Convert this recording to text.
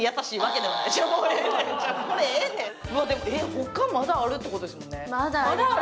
他、まだあるってことですよね。